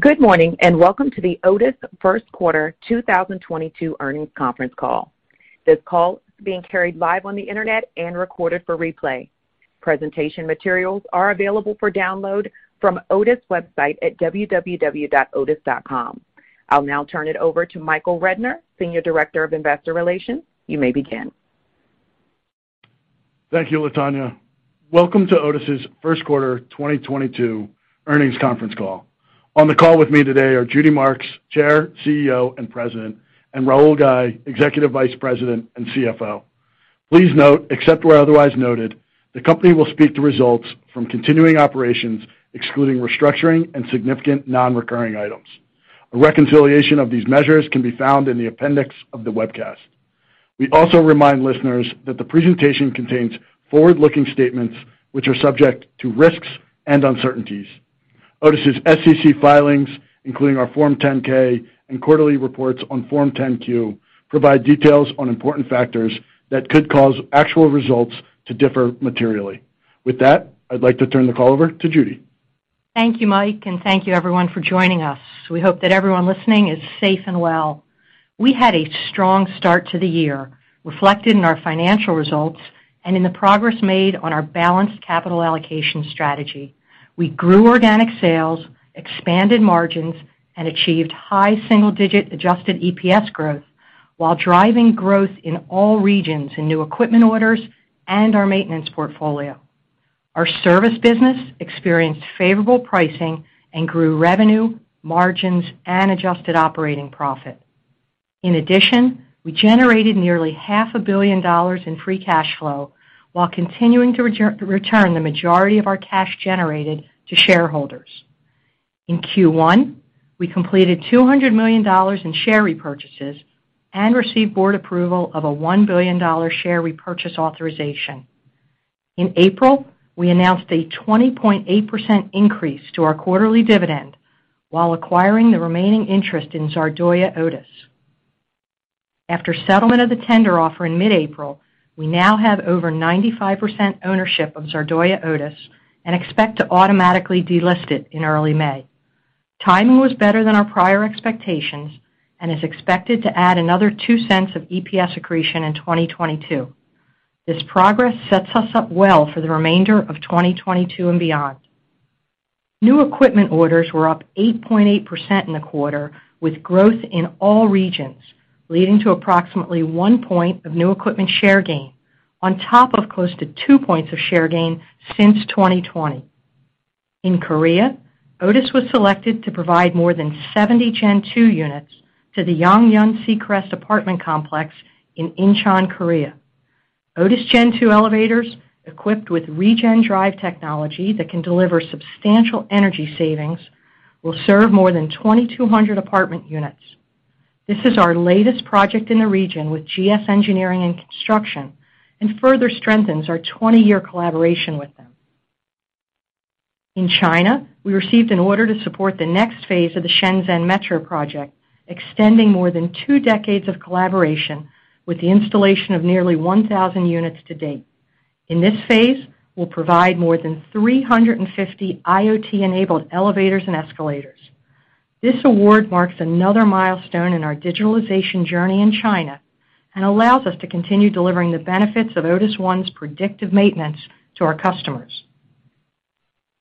Good morning, and welcome to the Otis first quarter 2022 earnings conference call. This call is being carried live on the internet and recorded for replay. Presentation materials are available for download from Otis website at www.otis.com. I'll now turn it over to Michael Rednor, Senior Director of Investor Relations. You may begin. Thank you, Latonya. Welcome to Otis' first quarter 2022 earnings conference call. On the call with me today are Judy Marks, Chair, CEO, and President, and Rahul Ghai, Executive Vice President and CFO. Please note, except where otherwise noted, the company will speak to results from continuing operations, excluding restructuring and significant non-recurring items. A reconciliation of these measures can be found in the appendix of the webcast. We also remind listeners that the presentation contains forward-looking statements which are subject to risks and uncertainties. Otis' SEC filings, including our Form 10-K and quarterly reports on Form 10-Q, provide details on important factors that could cause actual results to differ materially. With that, I'd like to turn the call over to Judy. Thank you, Mike, and thank you everyone for joining us. We hope that everyone listening is safe and well. We had a strong start to the year, reflected in our financial results and in the progress made on our balanced capital allocation strategy. We grew organic sales, expanded margins, and achieved high single-digit adjusted EPS growth while driving growth in all regions in new equipment orders and our maintenance portfolio. Our service business experienced favorable pricing and grew revenue, margins, and adjusted operating profit. In addition, we generated nearly $0.5 billion In free cash flow while continuing to return the majority of our cash generated to shareholders. In Q1, we completed $200 million in share repurchases and received board approval of a $1 billion share repurchase authorization. In April, we announced a 20.8% increase to our quarterly dividend while acquiring the remaining interest in Zardoya Otis. After settlement of the tender offer in mid-April, we now have over 95% ownership of Zardoya Otis and expect to automatically delist it in early May. Timing was better than our prior expectations and is expected to add another $0.02 of EPS accretion in 2022. This progress sets us up well for the remainder of 2022 and beyond. New equipment orders were up 8.8% in the quarter, with growth in all regions, leading to approximately 1 point of new equipment share gain on top of close to 2 points of share gain since 2020. In Korea, Otis was selected to provide more than 70 Gen2 units to the Yeongjong Seacrest apartment complex in Incheon, South Korea. Otis Gen2 elevators, equipped with ReGen drive technology that can deliver substantial energy savings, will serve more than 2,200 apartment units. This is our latest project in the region with GS Engineering & Construction and further strengthens our 20-year collaboration with them. In China, we received an order to support the next phase of the Shenzhen Metro project, extending more than two decades of collaboration with the installation of nearly 1,000 units to date. In this phase, we'll provide more than 350 IoT-enabled elevators and escalators. This award marks another milestone in our digitalization journey in China and allows us to continue delivering the benefits of Otis ONE's predictive maintenance to our customers.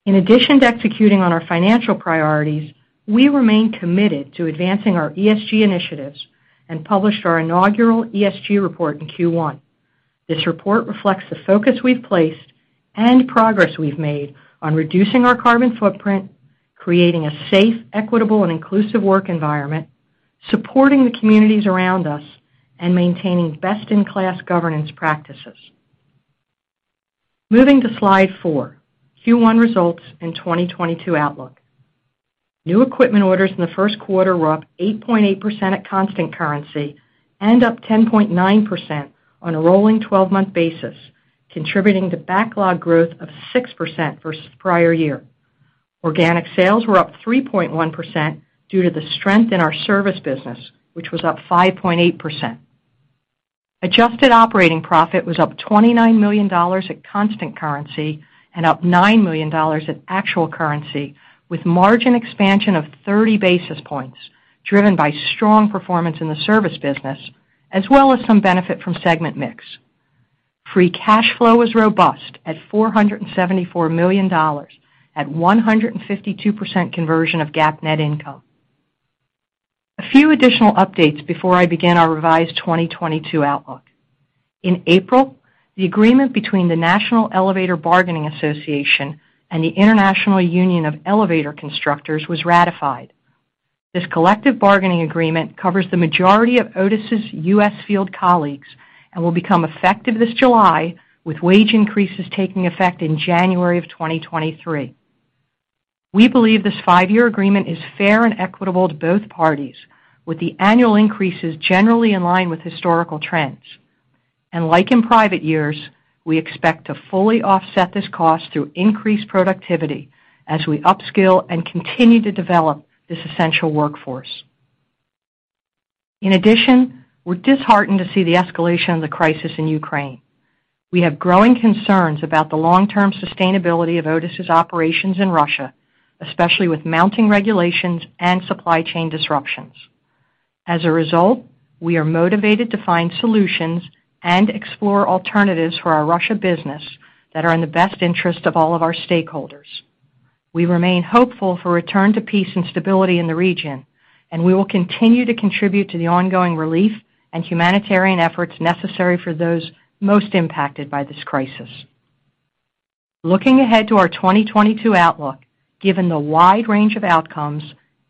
In addition to executing on our financial priorities, we remain committed to advancing our ESG initiatives and published our inaugural ESG report in Q1. This report reflects the focus we've placed and progress we've made on reducing our carbon footprint, creating a safe, equitable, and inclusive work environment, supporting the communities around us, and maintaining best-in-class governance practices. Moving to slide four, Q1 results and 2022 outlook. New equipment orders in the first quarter were up 8.8% at constant currency and up 10.9% on a rolling 12-month basis, contributing to backlog growth of 6% versus prior year. Organic sales were up 3.1% due to the strength in our service business, which was up 5.8%. Adjusted operating profit was up $29 million at constant currency and up $9 million at actual currency, with margin expansion of 30 basis points driven by strong performance in the service business as well as some benefit from segment mix. Free cash flow was robust at $474 million at 152% conversion of GAAP net income. A few additional updates before I begin our revised 2022 outlook. In April, the agreement between the National Elevator Bargaining Association and the International Union of Elevator Constructors was ratified. This collective bargaining agreement covers the majority of Otis' U.S. field colleagues and will become effective this July, with wage increases taking effect in January of 2023. We believe this five-year agreement is fair and equitable to both parties, with the annual increases generally in line with historical trends. Like in prior years, we expect to fully offset this cost through increased productivity as we upskill and continue to develop this essential workforce. In addition, we're disheartened to see the escalation of the crisis in Ukraine. We have growing concerns about the long-term sustainability of Otis's operations in Russia, especially with mounting regulations and supply chain disruptions. As a result, we are motivated to find solutions and explore alternatives for our Russia business that are in the best interest of all of our stakeholders. We remain hopeful for a return to peace and stability in the region, and we will continue to contribute to the ongoing relief and humanitarian efforts necessary for those most impacted by this crisis. Looking ahead to our 2022 outlook, given the wide range of outcomes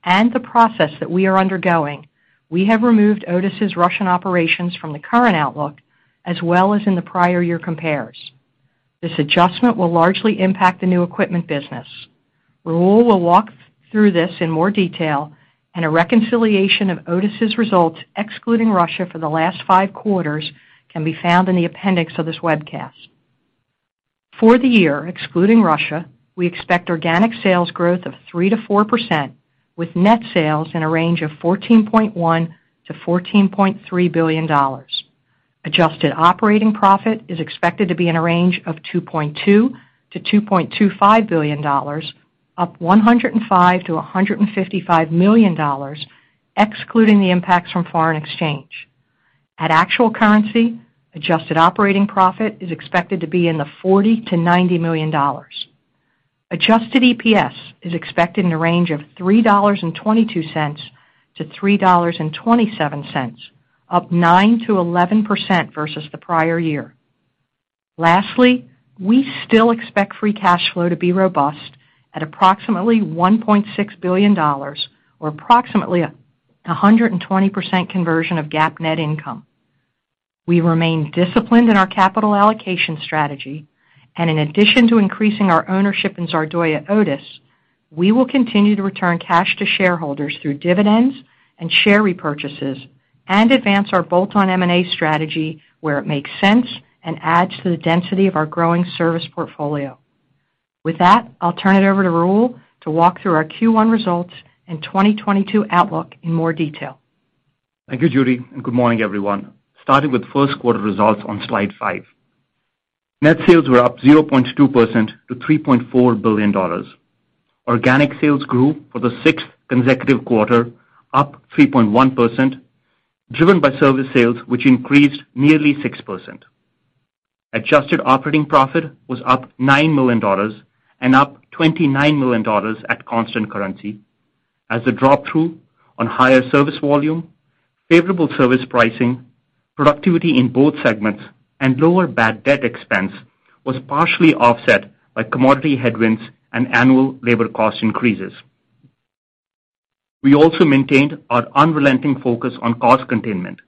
and the process that we are undergoing, we have removed Otis's Russian operations from the current outlook, as well as in the prior year compares. This adjustment will largely impact the new equipment business. Rahul will walk through this in more detail and a reconciliation of Otis's results excluding Russia for the last five quarters can be found in the appendix of this webcast. For the year, excluding Russia, we expect organic sales growth of 3%-4%, with net sales in a range of $14.1 billion-$14.3 billion. Adjusted operating profit is expected to be in a range of $2.2 billion-$2.25 billion, up $105 million-$155 million, excluding the impacts from foreign exchange. At actual currency, adjusted operating profit is expected to be in the $40 million-$90 million. Adjusted EPS is expected in a range of $3.22-$3.27, up 9%-11% versus the prior year. Lastly, we still expect free cash flow to be robust at approximately $1.6 billion or approximately 120% conversion of GAAP net income. We remain disciplined in our capital allocation strategy, and in addition to increasing our ownership in Zardoya Otis, we will continue to return cash to shareholders through dividends and share repurchases and advance our bolt-on M&A strategy where it makes sense and adds to the density of our growing service portfolio. With that, I'll turn it over to Rahul to walk through our Q1 results and 2022 outlook in more detail. Thank you, Judy, and good morning, everyone. Starting with first quarter results on slide five. Net sales were up 0.2% to $3.4 billion. Organic sales grew for the sixth consecutive quarter, up 3.1%, driven by service sales, which increased nearly 6%. Adjusted operating profit was up $9 million and up $29 million at constant currency as a drop-through on higher service volume, favorable service pricing, productivity in both segments, and lower bad debt expense was partially offset by commodity headwinds and annual labor cost increases. We also maintained our unrelenting focus on cost containment,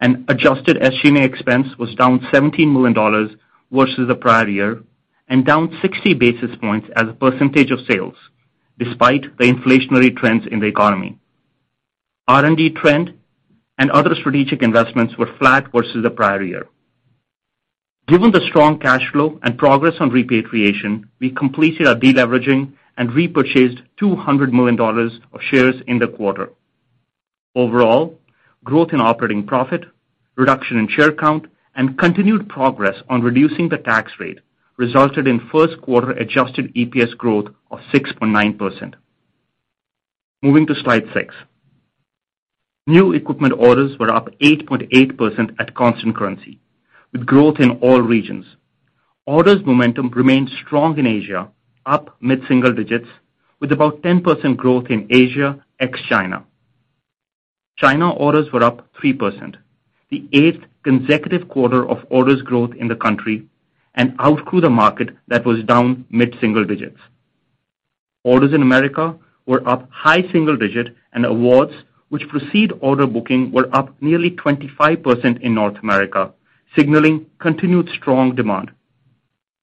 and adjusted SG&A expense was down $17 million versus the prior year and down 60 basis points as a percentage of sales, despite the inflationary trends in the economy. R&D trend and other strategic investments were flat versus the prior year. Given the strong cash flow and progress on repatriation, we completed our deleveraging and repurchased $200 million of shares in the quarter. Overall, growth in operating profit, reduction in share count, and continued progress on reducing the tax rate resulted in first quarter adjusted EPS growth of 6.9%. Moving to slide six. New equipment orders were up 8.8% at constant currency, with growth in all regions. Orders momentum remained strong in Asia, up mid-single digits, with about 10% growth in Asia ex-China. China orders were up 3%, the 8th consecutive quarter of orders growth in the country, and outgrew the market that was down mid-single digits. Orders in America were up high single digits and awards which precede order booking were up nearly 25% in North America, signaling continued strong demand.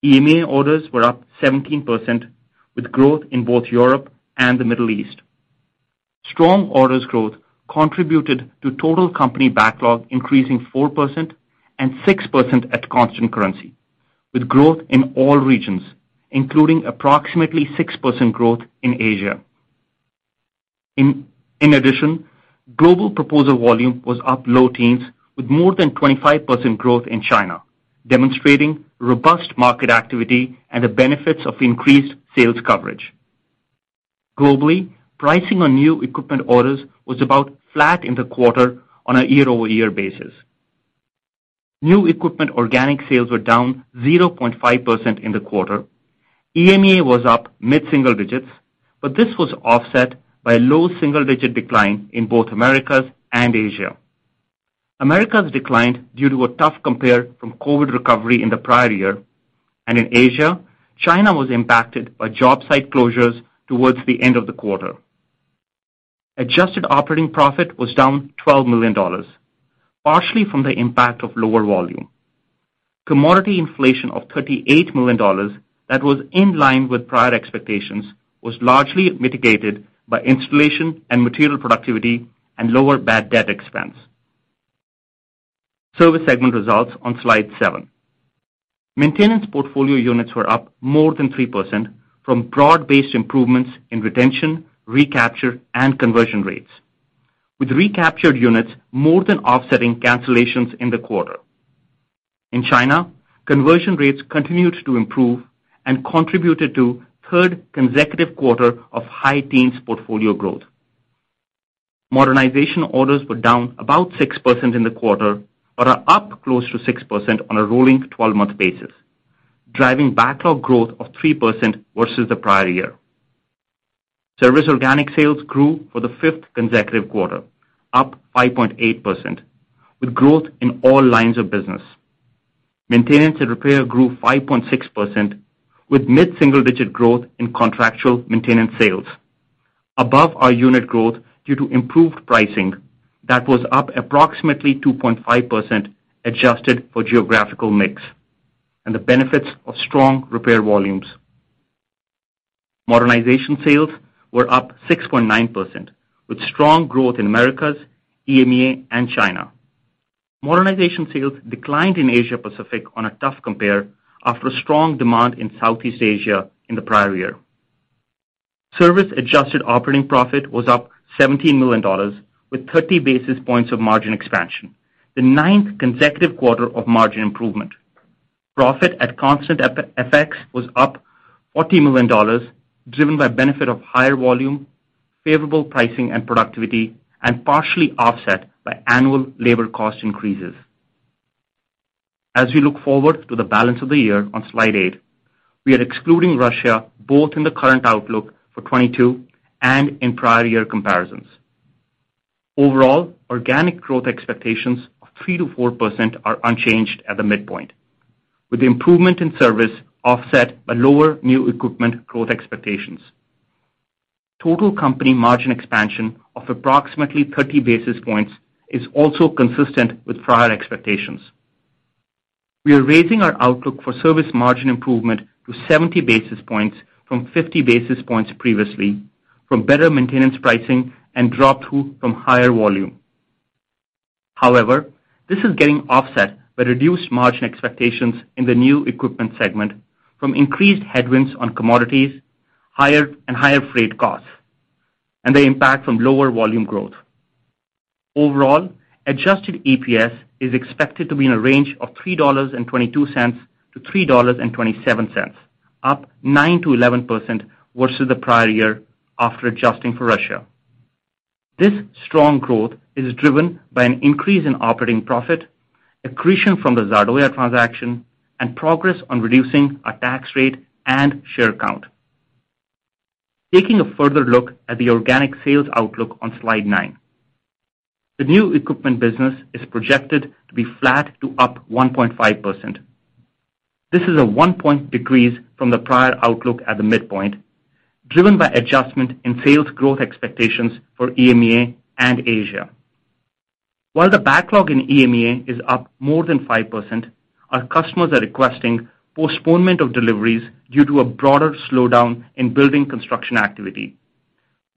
EMEA orders were up 17%, with growth in both Europe and the Middle East. Strong orders growth contributed to total company backlog increasing 4% and 6% at constant currency, with growth in all regions, including approximately 6% growth in Asia. In addition, global proposal volume was up low teens with more than 25% growth in China, demonstrating robust market activity and the benefits of increased sales coverage. Globally, pricing on new equipment orders was about flat in the quarter on a year-over-year basis. New equipment organic sales were down 0.5% in the quarter. EMEA was up mid-single digits, but this was offset by a low single-digit decline in both Americas and Asia. Americas declined due to a tough compare from COVID recovery in the prior year. In Asia, China was impacted by job site closures towards the end of the quarter. Adjusted operating profit was down $12 million, partially from the impact of lower volume. Commodity inflation of $38 million that was in line with prior expectations was largely mitigated by installation and material productivity and lower bad debt expense. Service segment results on slide seven. Maintenance portfolio units were up more than 3% from broad-based improvements in retention, recapture, and conversion rates, with recaptured units more than offsetting cancellations in the quarter. In China, conversion rates continued to improve and contributed to third consecutive quarter of high teens portfolio growth. Modernization orders were down about 6% in the quarter but are up close to 6% on a rolling 12-month basis, driving backlog growth of 3% versus the prior year. Service organic sales grew for the fifth consecutive quarter, up 5.8%, with growth in all lines of business. Maintenance and repair grew 5.6%, with mid-single-digit growth in contractual maintenance sales above our unit growth due to improved pricing that was up approximately 2.5% adjusted for geographical mix and the benefits of strong repair volumes. Modernization sales were up 6.9%, with strong growth in Americas, EMEA, and China. Modernization sales declined in Asia Pacific on a tough compare after strong demand in Southeast Asia in the prior year. Service adjusted operating profit was up $17 million with 30 basis points of margin expansion, the ninth consecutive quarter of margin improvement. Profit at constant FX was up $40 million, driven by benefit of higher volume, favorable pricing and productivity, and partially offset by annual labor cost increases. As we look forward to the balance of the year on slide eight, we are excluding Russia both in the current outlook for 2022 and in prior year comparisons. Overall, organic growth expectations of 3%-4% are unchanged at the midpoint, with the improvement in service offset by lower new equipment growth expectations. Total company margin expansion of approximately 30 basis points is also consistent with prior expectations. We are raising our outlook for service margin improvement to 70 basis points from 50 basis points previously from better maintenance pricing and drop-through from higher volume. However, this is getting offset by reduced margin expectations in the new equipment segment from increased headwinds on commodities, higher and higher freight costs, and the impact from lower volume growth. Overall, adjusted EPS is expected to be in a range of $3.22-$3.27, up 9%-11% versus the prior year after adjusting for Russia. This strong growth is driven by an increase in operating profit, accretion from the Zardoya transaction, and progress on reducing our tax rate and share count. Taking a further look at the organic sales outlook on slide nine, the new equipment business is projected to be flat to up 1.5%. This is a 1-point decrease from the prior outlook at the midpoint, driven by adjustment in sales growth expectations for EMEA and Asia. While the backlog in EMEA is up more than 5%, our customers are requesting postponement of deliveries due to a broader slowdown in building construction activity,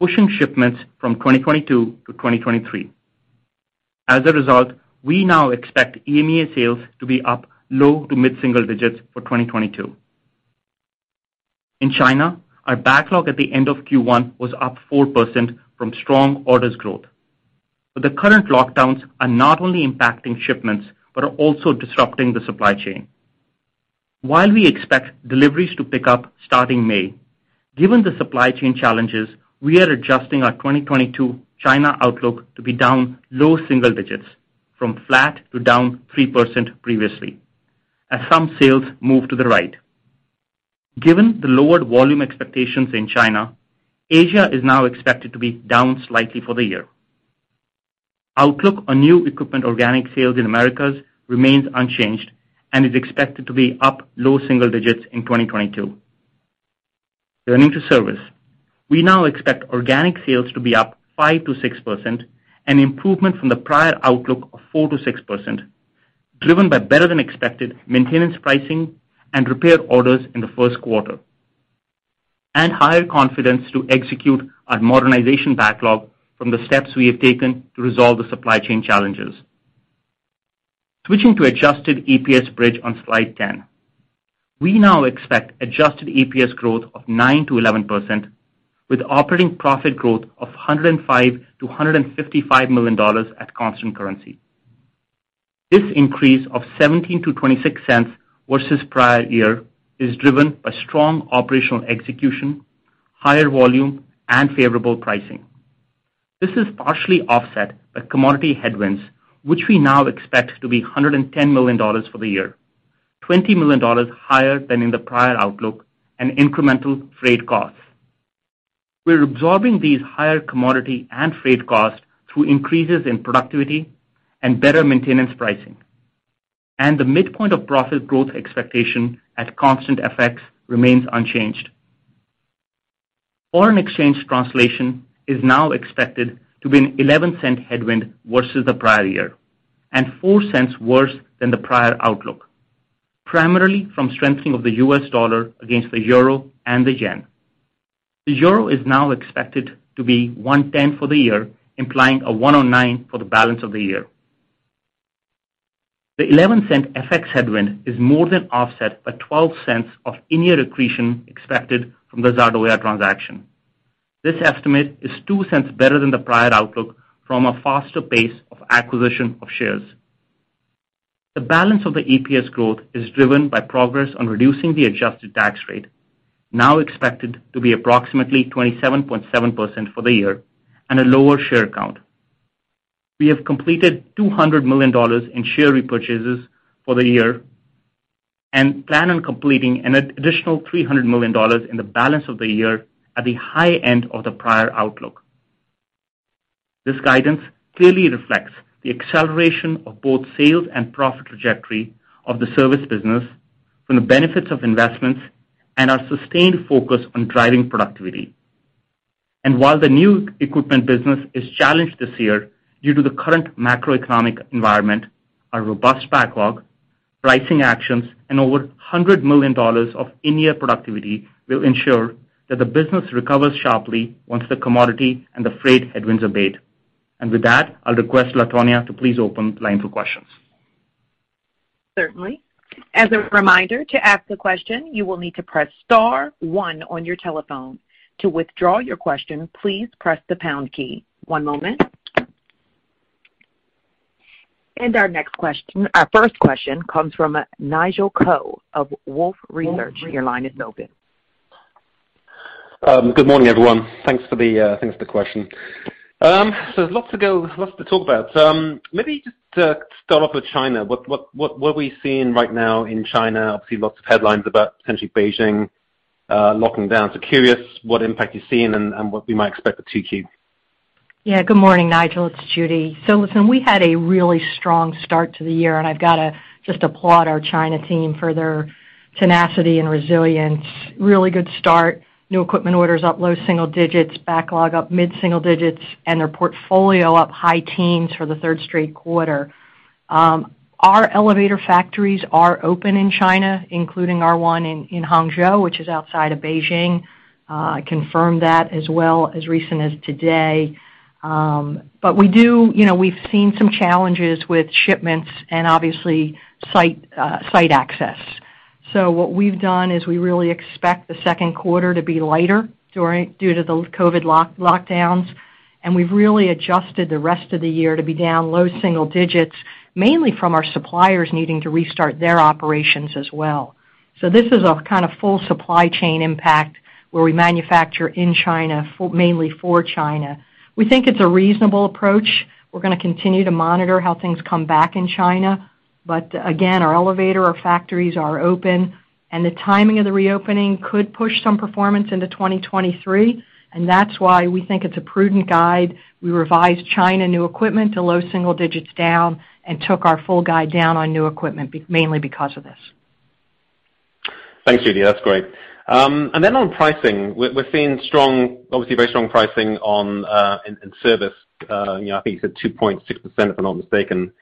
pushing shipments from 2022 to 2023. As a result, we now expect EMEA sales to be up low to mid-single digits for 2022. In China, our backlog at the end of Q1 was up 4% from strong orders growth. The current lockdowns are not only impacting shipments but are also disrupting the supply chain. While we expect deliveries to pick up starting May, given the supply chain challenges, we are adjusting our 2022 China outlook to be down low single digits from flat to down 3% previously as some sales move to the right. Given the lowered volume expectations in China, Asia is now expected to be down slightly for the year. Outlook on new equipment organic sales in Americas remains unchanged and is expected to be up low single digits in 2022. Turning to service. We now expect organic sales to be up 5%-6%, an improvement from the prior outlook of 4%-6%, driven by better than expected maintenance pricing and repair orders in the first quarter, and higher confidence to execute our modernization backlog from the steps we have taken to resolve the supply chain challenges. Switching to adjusted EPS bridge on slide 10. We now expect adjusted EPS growth of 9%-11% with operating profit growth of $105 million-$155 million at constant currency. This increase of $0.17-$0.26 versus prior year is driven by strong operational execution, higher volume, and favorable pricing. This is partially offset by commodity headwinds, which we now expect to be $110 million for the year, $20 million higher than in the prior outlook and incremental freight costs. We're absorbing these higher commodity and freight costs through increases in productivity and better maintenance pricing. The midpoint of profit growth expectation at constant FX remains unchanged. Foreign exchange translation is now expected to be a $0.11 headwind versus the prior year and $0.04 worse than the prior outlook, primarily from strengthening of the U.S. dollar against the euro and the yen. The euro is now expected to be 1.10 for the year, implying a 1.09 for the balance of the year. The $0.11 FX headwind is more than offset by $0.12 of in-year accretion expected from the Zardoya transaction. This estimate is $0.02 better than the prior outlook from a faster pace of acquisition of shares. The balance of the EPS growth is driven by progress on reducing the adjusted tax rate, now expected to be approximately 27.7% for the year and a lower share count. We have completed $200 million in share repurchases for the year and plan on completing an additional $300 million in the balance of the year at the high end of the prior outlook. This guidance clearly reflects the acceleration of both sales and profit trajectory of the service business from the benefits of investments and our sustained focus on driving productivity. While the new equipment business is challenged this year due to the current macroeconomic environment, our robust backlog, pricing actions, and over $100 million of in-year productivity will ensure that the business recovers sharply once the commodity and the freight headwinds abate. With that, I'll request Latonya to please open the line for questions. Our first question comes from Nigel Coe of Wolfe Research. Your line is open. Good morning, everyone. Thanks for the question. Lots to go, lots to talk about. Maybe just start off with China. What are we seeing right now in China? Obviously, lots of headlines about potentially Beijing locking down. Curious what impact you're seeing and what we might expect for 2Q. Yeah, good morning, Nigel. It's Judy. Listen, we had a really strong start to the year, and I've gotta just applaud our China team for their tenacity and resilience. Really good start. New equipment orders up low single digits, backlog up mid-single digits, and their portfolio up high teens for the third straight quarter. Our elevator factories are open in China, including our one in Hangzhou, which is outside of Beijing. I confirmed that as recently as today. We do, you know, we've seen some challenges with shipments and obviously site access. What we've done is we really expect the second quarter to be lighter due to the COVID lockdowns, and we've really adjusted the rest of the year to be down low single digits, mainly from our suppliers needing to restart their operations as well. This is a kind of full supply chain impact where we manufacture in China for mainly for China. We think it's a reasonable approach. We're gonna continue to monitor how things come back in China. Again, our elevator, our factories are open and the timing of the reopening could push some performance into 2023, and that's why we think it's a prudent guide. We revised China new equipment to low single digits down and took our full guide down on new equipment mainly because of this. Thanks, Judy. That's great. On pricing, we're seeing strong, obviously very strong pricing on in service, you know, I think it's at 2.6%, if I'm not mistaken.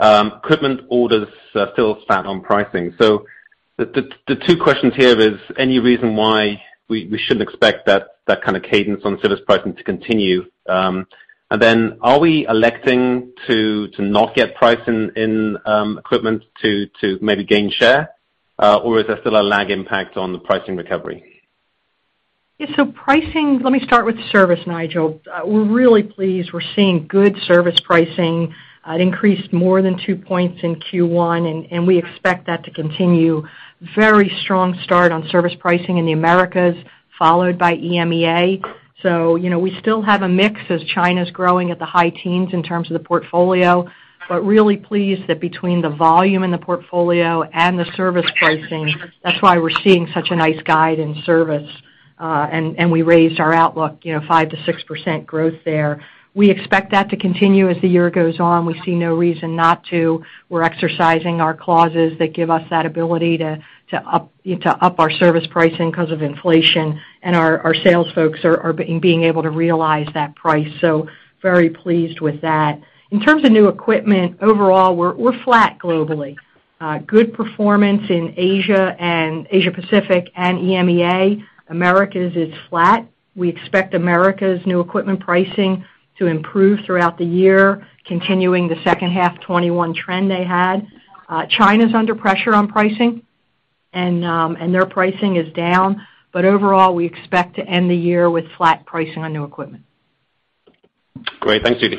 Equipment orders are still flat on pricing. The two questions here is, any reason why we shouldn't expect that kind of cadence on service pricing to continue? Are we electing to not get pricing in equipment to maybe gain share, or is there still a lag impact on the pricing recovery? Yeah. Pricing, let me start with service, Nigel. We're really pleased. We're seeing good service pricing. It increased more than 2 points in Q1, and we expect that to continue. Very strong start on service pricing in the Americas, followed by EMEA. You know, we still have a mix as China's growing at the high teens in terms of the portfolio, but really pleased that between the volume and the portfolio and the service pricing, that's why we're seeing such a nice guide in service. And we raised our outlook, you know, 5%-6% growth there. We expect that to continue as the year goes on. We see no reason not to. We're exercising our clauses that give us that ability to up our service pricing 'cause of inflation, and our sales folks are being able to realize that price. Very pleased with that. In terms of new equipment, overall, we're flat globally. Good performance in Asia and Asia-Pacific and EMEA. Americas is flat. We expect Americas new equipment pricing to improve throughout the year, continuing the second half 2021 trend they had. China's under pressure on pricing and their pricing is down. Overall, we expect to end the year with flat pricing on new equipment. Great. Thanks, Judy.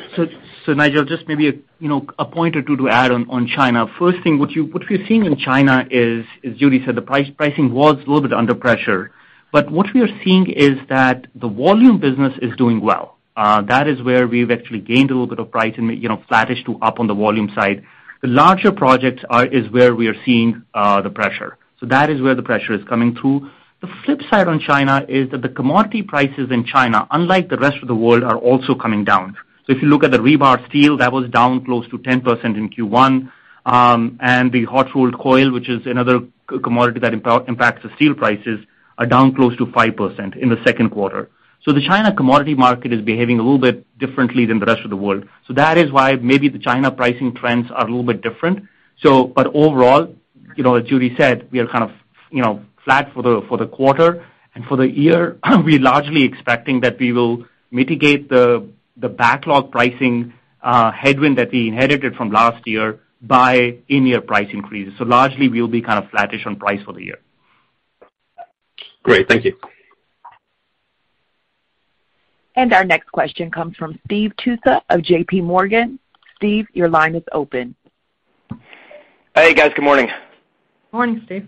Nigel, just maybe, you know, a point or two to add on China. First thing, what we're seeing in China is, as Judy said, the pricing was a little bit under pressure. But what we are seeing is that the volume business is doing well. That is where we've actually gained a little bit of price and, you know, flattish to up on the volume side. The larger projects is where we are seeing the pressure. That is where the pressure is coming through. The flip side on China is that the commodity prices in China, unlike the rest of the world, are also coming down. If you look at the rebar steel, that was down close to 10% in Q1. The hot-rolled coil, which is another commodity that impacts the steel prices, are down close to 5% in the second quarter. The China commodity market is behaving a little bit differently than the rest of the world. That is why maybe the China pricing trends are a little bit different. Overall, you know, as Judy said, we are kind of, you know, flat for the quarter. For the year, we're largely expecting that we will mitigate the backlog pricing headwind that we inherited from last year by in-year price increases. Largely, we'll be kind of flattish on price for the year. Great. Thank you. Our next question comes from Steve Tusa of JPMorgan. Steve, your line is open. Hey, guys. Good morning. Morning, Steve.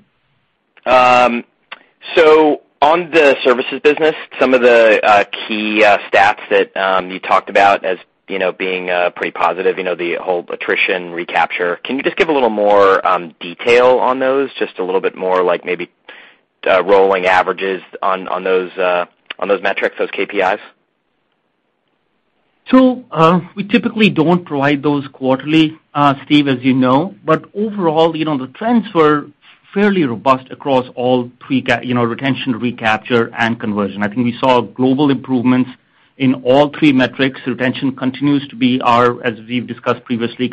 On the services business, some of the key stats that you talked about as, you know, being pretty positive, you know, the whole attrition recapture. Can you just give a little more detail on those? Just a little bit more like maybe rolling averages on those metrics, those KPIs. We typically don't provide those quarterly, Steve, as you know. Overall, you know, the trends were fairly robust across all three, you know, retention, recapture, and conversion. I think we saw global improvements in all three metrics. Retention continues to be our focus, as we've discussed previously,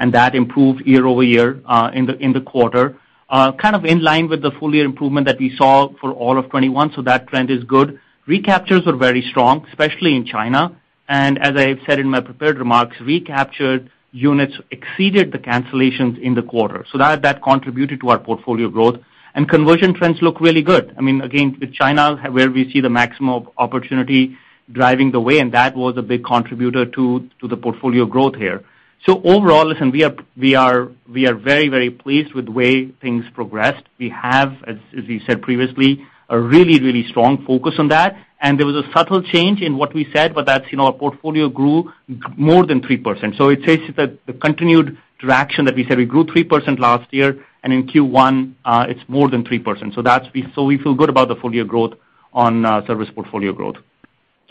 and that improved year-over-year in the quarter. Kind of in line with the full year improvement that we saw for all of 2021, so that trend is good. Recaptures were very strong, especially in China, and as I've said in my prepared remarks, recaptured units exceeded the cancellations in the quarter. That contributed to our portfolio growth. Conversion trends look really good. I mean, again, with China where we see the maximum opportunity driving the way, and that was a big contributor to the portfolio growth here. Overall, listen, we are very pleased with the way things progressed. We have, as we said previously, a really strong focus on that. There was a subtle change in what we said, but that's, you know, our portfolio grew more than 3%. It says that the continued traction that we said we grew 3% last year, and in Q1, it's more than 3%. We feel good about the full year growth on service portfolio growth.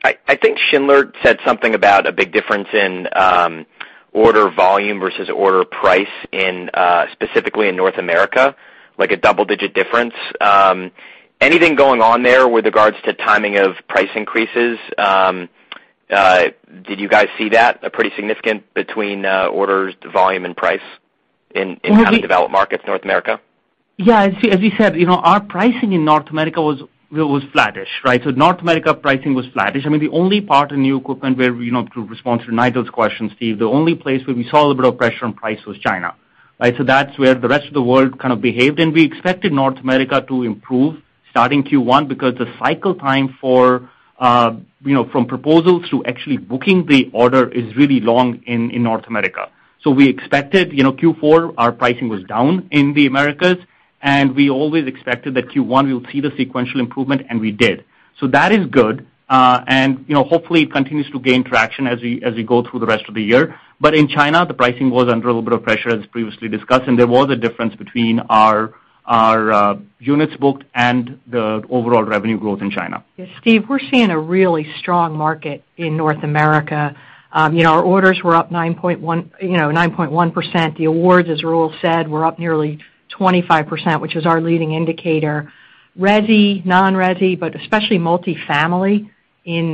I think Schindler said something about a big difference in order volume versus order price in specifically in North America, like a double-digit difference. Anything going on there with regards to timing of price increases? Did you guys see that, a pretty significant between orders, the volume and price in how- Well, we the developed markets, North America? Yeah. As we said, you know, our pricing in North America was flattish, right? North America pricing was flattish. I mean, the only part in new equipment where, you know, to respond to Nigel's question, Steve, the only place where we saw a little bit of pressure on price was China, right? That's where the rest of the world kind of behaved. We expected North America to improve starting Q1 because the cycle time for, you know, from proposal to actually booking the order is really long in North America. We expected, you know, Q4, our pricing was down in the Americas, and we always expected that Q1 we would see the sequential improvement, and we did. That is good. You know, hopefully it continues to gain traction as we go through the rest of the year. In China, the pricing was under a little bit of pressure, as previously discussed, and there was a difference between our units booked and the overall revenue growth in China. Yeah, Steve, we're seeing a really strong market in North America. Our orders were up 9.1%. The awards, as Rahul said, were up nearly 25%, which is our leading indicator. Resi, non-resi, but especially multifamily in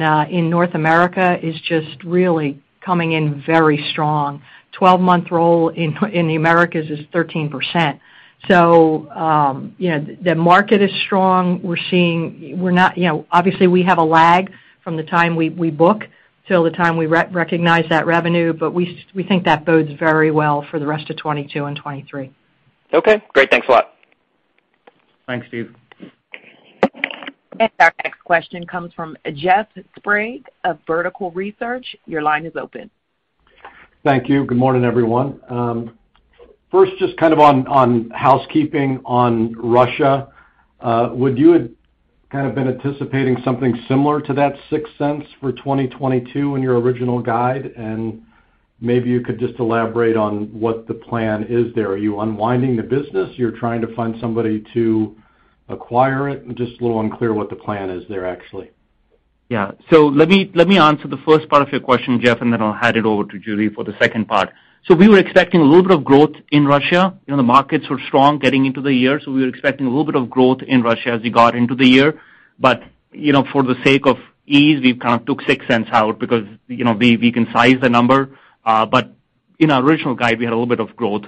North America is just really coming in very strong. 12-month roll in the Americas is 13%. The market is strong. We're seeing. We're not, you know, obviously we have a lag from the time we book till the time we recognize that revenue, but we think that bodes very well for the rest of 2022 and 2023. Okay, great. Thanks a lot. Thanks, Steve. Our next question comes from Jeff Sprague of Vertical Research. Your line is open. Thank you. Good morning, everyone. First just kind of on housekeeping on Russia, would you have kind of been anticipating something similar to that $0.06 for 2022 in your original guide? Maybe you could just elaborate on what the plan is there. Are you unwinding the business? You're trying to find somebody to acquire it? Just a little unclear what the plan is there, actually. Let me answer the first part of your question, Jeff, and then I'll hand it over to Judy for the second part. We were expecting a little bit of growth in Russia. You know, the markets were strong getting into the year, so we were expecting a little bit of growth in Russia as we got into the year. For the sake of ease, we've kind of took $0.06 out because, you know, we can size the number. In our original guide, we had a little bit of growth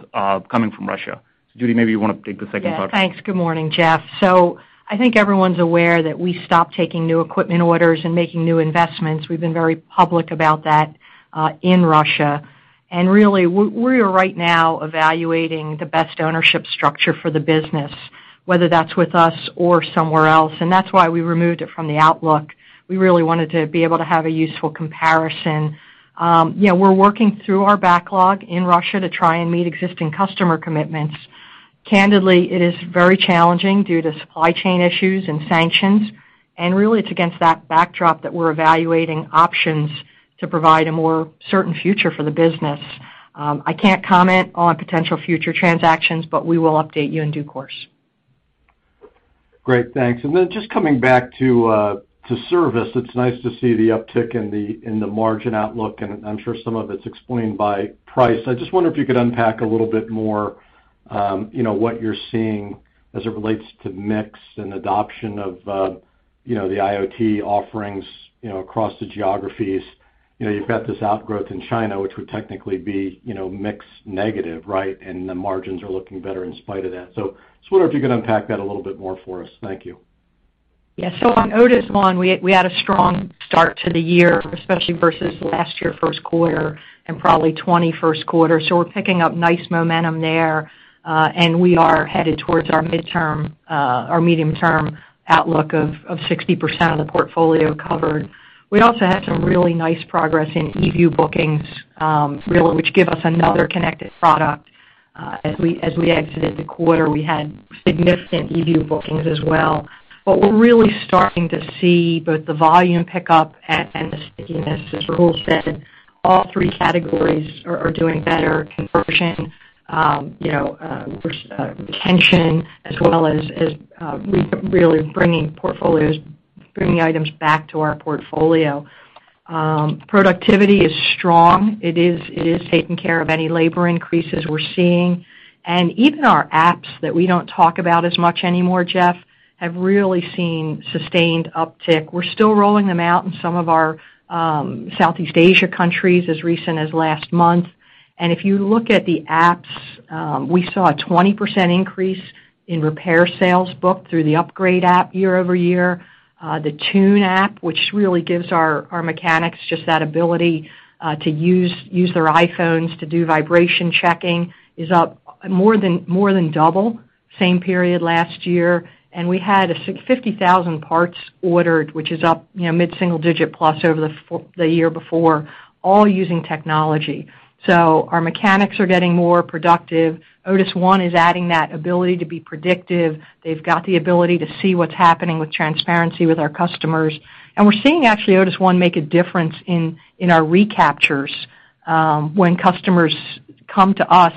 coming from Russia. Judy, maybe you wanna take the second part. Yeah. Thanks. Good morning, Jeff. I think everyone's aware that we stopped taking new equipment orders and making new investments. We've been very public about that in Russia. Really, we're right now evaluating the best ownership structure for the business, whether that's with us or somewhere else, and that's why we removed it from the outlook. We really wanted to be able to have a useful comparison. We're working through our backlog in Russia to try and meet existing customer commitments. Candidly, it is very challenging due to supply chain issues and sanctions, and really it's against that backdrop that we're evaluating options to provide a more certain future for the business. I can't comment on potential future transactions, but we will update you in due course. Great. Thanks. Just coming back to service, it's nice to see the uptick in the margin outlook, and I'm sure some of it's explained by price. I just wonder if you could unpack a little bit more, you know, what you're seeing as it relates to mix and adoption of, you know, the IoT offerings, you know, across the geographies. You know, you've got this outgrowth in China, which would technically be, you know, mix negative, right? The margins are looking better in spite of that. Just wonder if you could unpack that a little bit more for us. Thank you. Yeah. On Otis ONE, we had a strong start to the year, especially versus last year first quarter and probably 2021 first quarter. We're picking up nice momentum there, and we are headed towards our medium-term outlook of 60% of the portfolio covered. We also had some really nice progress in eView bookings, really, which give us another connected product. As we exited the quarter, we had significant eView bookings as well. We're really starting to see both the volume pick up and the stickiness, as Rahul said. All three categories are doing better, conversion, you know, retention as well as really bringing items back to our portfolio. Productivity is strong. It is taking care of any labor increases we're seeing. Even our apps that we don't talk about as much anymore, Jeff, have really seen sustained uptick. We're still rolling them out in some of our Southeast Asia countries as recent as last month. If you look at the apps, we saw a 20% increase in repair sales booked through the upgrade app year over year. The tune app, which really gives our mechanics just that ability to use their iPhones to do vibration checking, is up more than double same period last year. We had 50,000 parts ordered, which is up, you know, mid-single digit plus over the year before, all using technology. Our mechanics are getting more productive. Otis ONE is adding that ability to be predictive. They've got the ability to see what's happening with transparency with our customers. We're seeing actually Otis ONE make a difference in our recaptures, when customers come to us,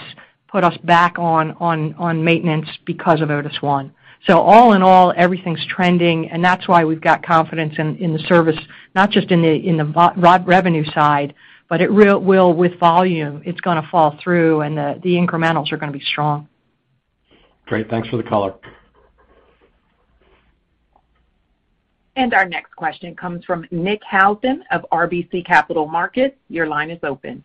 put us back on maintenance because of Otis ONE. All in all, everything's trending, and that's why we've got confidence in the service, not just in the revenue side, but it really will with volume. It's gonna flow through and the incrementals are gonna be strong. Great. Thanks for the color. Our next question comes from Nick Housden of RBC Capital Markets. Your line is open.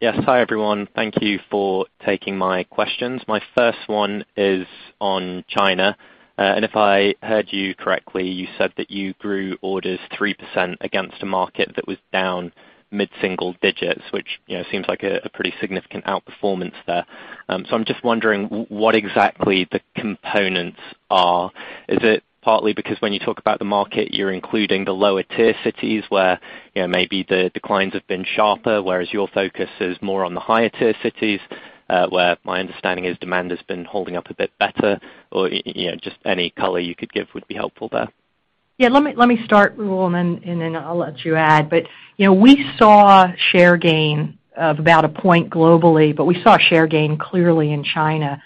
Yes. Hi, everyone. Thank you for taking my questions. My first one is on China. If I heard you correctly, you said that you grew orders 3% against a market that was down mid-single digits, which, you know, seems like a pretty significant outperformance there. I'm just wondering what exactly the components are. Is it partly because when you talk about the market, you're including the lower tier cities where, you know, maybe the declines have been sharper, whereas your focus is more on the higher tier cities, where my understanding is demand has been holding up a bit better? Or, you know, just any color you could give would be helpful there. Yeah, let me start, Rahul, and then I'll let you add. You know, we saw share gain of about a point globally, but we saw share gain clearly in China.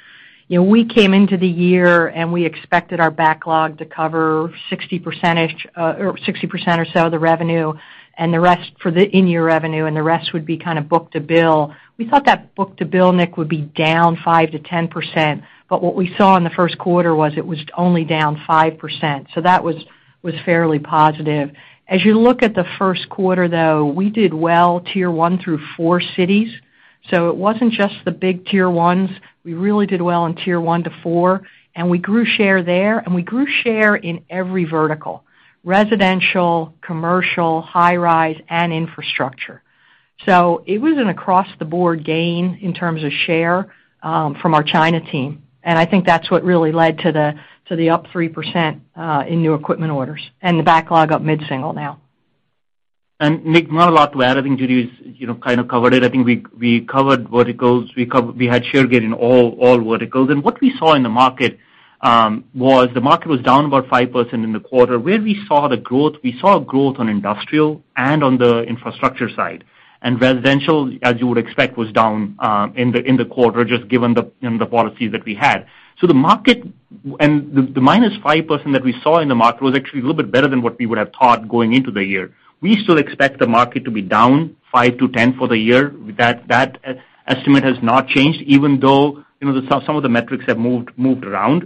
You know, we came into the year, and we expected our backlog to cover 60%, or 60% or so of the revenue and the rest for the in-year revenue, and the rest would be kind of book to bill. We thought that book to bill, Nick, would be down 5%-10%. What we saw in the first quarter was it was only down 5%, so that was fairly positive. As you look at the first quarter, though, we did well tier one through four cities, so it wasn't just the big tier ones. We really did well in tier one to tier four, and we grew share there, and we grew share in every vertical: residential, commercial, high rise and infrastructure. It was an across the board gain in terms of share from our China team, and I think that's what really led to the up 3% in new equipment orders and the backlog up mid-single now. Nick, more than a lot, I think Judy's, you know, kind of covered it. I think we covered verticals. We had share gain in all verticals. What we saw in the market was the market was down about 5% in the quarter. Where we saw the growth, we saw growth on industrial and on the infrastructure side. Residential, as you would expect, was down in the quarter, just given the, you know, the policies that we had. The market, the minus 5% that we saw in the market was actually a little bit better than what we would have thought going into the year. We still expect the market to be down 5%-10% for the year. That estimate has not changed, even though, you know, some of the metrics have moved around.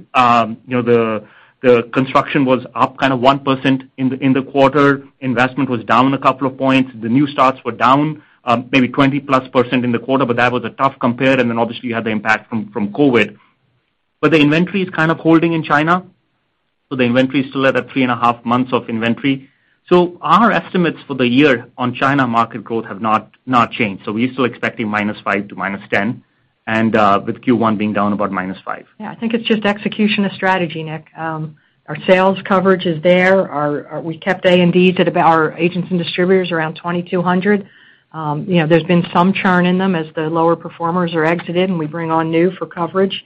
You know, the construction was up kind of 1% in the quarter. Investment was down a couple of points. The new starts were down maybe 20+% in the quarter, but that was a tough compare. Then obviously, you had the impact from COVID. The inventory is kind of holding in China, so the inventory is still at a three and a half months of inventory. Our estimates for the year on China market growth have not changed. We're still expecting -5% to -10% and with Q1 being down about -5%. Yeah. I think it's just execution of strategy, Nick. Our sales coverage is there. We kept A&Ds at about our agents and distributors around 2,200. You know, there's been some churn in them as the lower performers are exited, and we bring on new for coverage.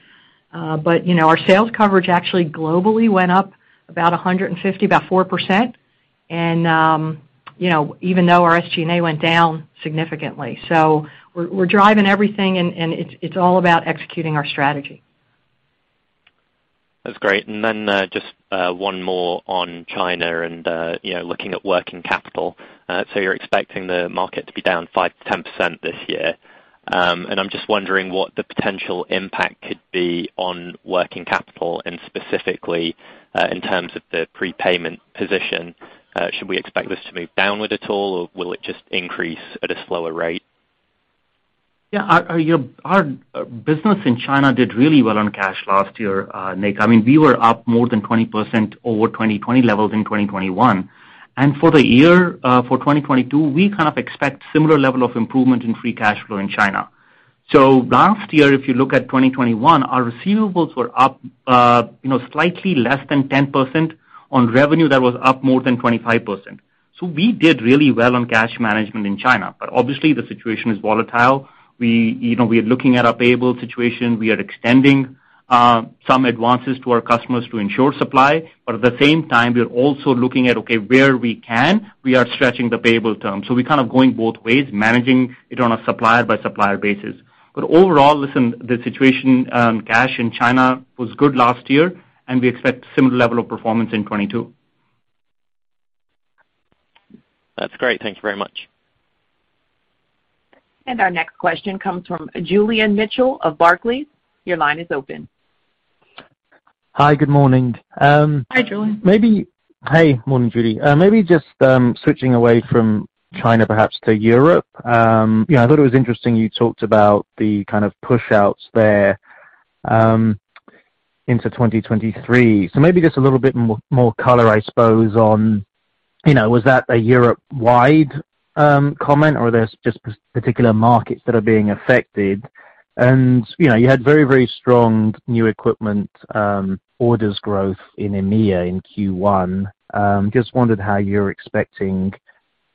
Our sales coverage actually globally went up about 150, about 4%. You know, even though our SG&A went down significantly, we're driving everything, and it's all about executing our strategy. That's great. Just one more on China and, you know, looking at working capital. You're expecting the market to be down 5%-10% this year. I'm just wondering what the potential impact could be on working capital and specifically, in terms of the prepayment position. Should we expect this to move downward at all, or will it just increase at a slower rate? Yeah. Our business in China did really well on cash last year, Nick. I mean, we were up more than 20% over 2020 levels in 2021. For the year, for 2022, we kind of expect similar level of improvement in free cash flow in China. Last year, if you look at 2021, our receivables were up, you know, slightly less than 10% on revenue that was up more than 25%. We did really well on cash management in China. Obviously, the situation is volatile. We, you know, are looking at our payable situation. We are extending some advances to our customers to ensure supply, but at the same time, we are also looking at where we can stretch the payable term. We're kind of going both ways, managing it on a supplier by supplier basis. Overall, listen, the cash situation in China was good last year, and we expect similar level of performance in 2022. That's great. Thank you very much. Our next question comes from Julian Mitchell of Barclays. Your line is open. Hi, good morning. Hi, Julian. Hey. Morning, Judy. Maybe just switching away from China, perhaps to Europe. You know, I thought it was interesting you talked about the kind of push-outs there into 2023. Maybe just a little bit more color, I suppose, on, you know, was that a Europe-wide comment, or there's just particular markets that are being affected. You know, you had very, very strong new equipment orders growth in EMEA in Q1. Just wondered how you're expecting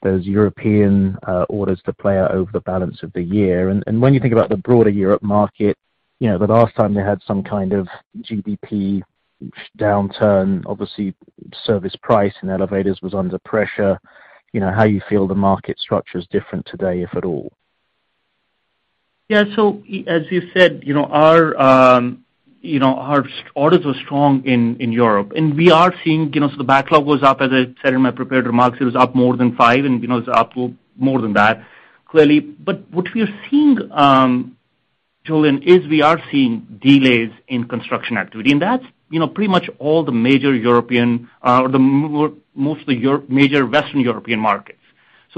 those European orders to play out over the balance of the year. When you think about the broader Europe market, you know, the last time they had some kind of GDP downturn, obviously, service pricing and elevators was under pressure. You know, how you feel the market structure is different today, if at all. Yeah. As you said, you know, our orders were strong in Europe, and we are seeing, you know, the backlog was up, as I said in my prepared remarks, it was up more than 5%, and you know, it's up more than that, clearly. What we are seeing, Julian, is we are seeing delays in construction activity, and that's, you know, pretty much all the major European or mostly major Western European markets.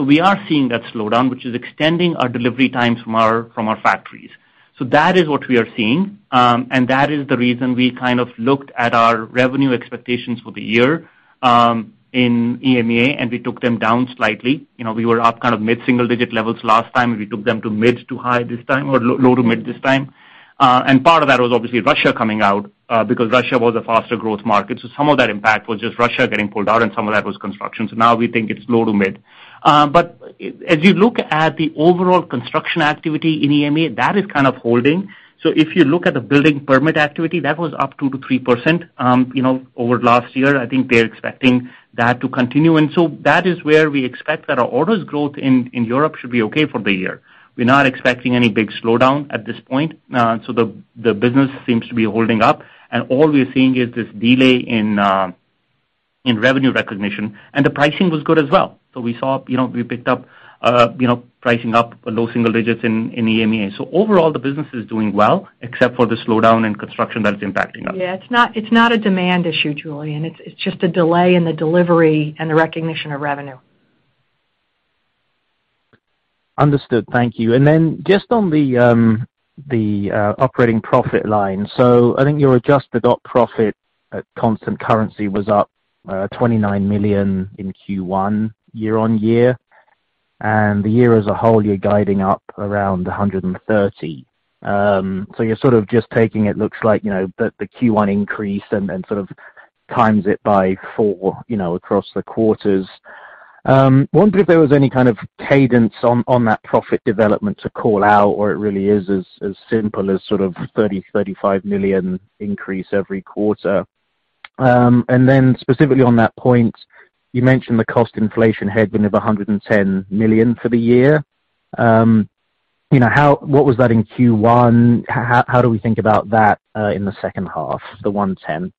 We are seeing that slowdown, which is extending our delivery times from our factories. That is what we are seeing, and that is the reason we kind of looked at our revenue expectations for the year in EMEA, and we took them down slightly. You know, we were up kind of mid-single digit levels last time, and we took them to mid- to high- this time or low- to mid- this time. Part of that was obviously Russia coming out, because Russia was a faster growth market. Some of that impact was just Russia getting pulled out, and some of that was construction. Now we think it's low- to mid-. But as we look at the overall construction activity in EMEA, that is kind of holding. If you look at the building permit activity, that was up 2%-3%, you know, over last year. I think they're expecting that to continue. That is where we expect that our orders growth in Europe should be okay for the year. We're not expecting any big slowdown at this point. The business seems to be holding up. All we're seeing is this delay in revenue recognition, and the pricing was good as well. We saw, you know, we picked up, you know, pricing up low single digits in EMEA. Overall, the business is doing well, except for the slowdown in construction that is impacting us. Yeah. It's not a demand issue, Julian. It's just a delay in the delivery and the recognition of revenue. Understood. Thank you. Just on the operating profit line. I think your adjusted operating profit at constant currency was up $29 million in Q1 year-on-year, and the year as a whole, you're guiding up around $130 million. You're sort of just taking, it looks like, you know, the Q1 increase and sort of times it by four, you know, across the quarters. Wondering if there was any kind of cadence on that profit development to call out, or it really is as simple as sort of $30 million-$35 million increase every quarter. Specifically on that point, you mentioned the cost inflation headwind of $110 million for the year. What was that in Q1? How do we think about that in the second half, the 1.10?